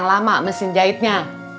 sama mesin jahitnya